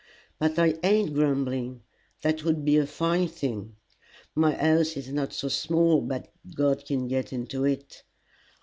But I ain't grumbling: that would be a fine thing! My house is not so small but God can get into it.